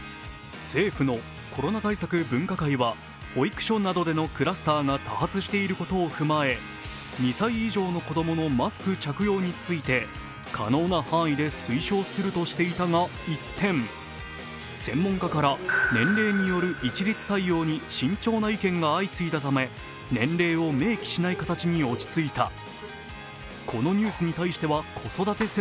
政府のコロナ対策分科会は保育所などでのクラスターが多発していることを踏まえ２歳以上の子供のマスク着用について可能な範囲で推奨するとしていたが一転、専門家から年齢による一律対応に慎重な意見が相次いだため年齢を明記しない形に落ち着いた。